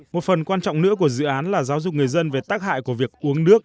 một phần quan trọng nữa của dự án là giáo dục người dân về tác hại của việc uống nước